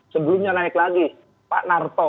sebelumnya naik lagi pak narto